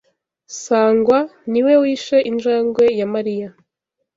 Sangwa niwe wishe injangwe ya Mariya.